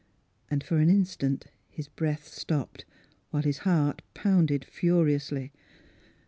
And for an instant his breath stopped, while his heart pounded furi ously.